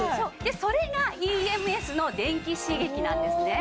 それがＥＭＳの電気刺激なんですね。